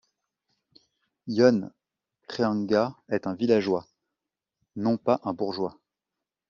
Ion Creangă est un villageois, non pas un bourgeois.